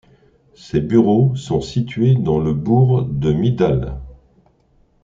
Ses bureaux sont situés dans le bourg de Midale.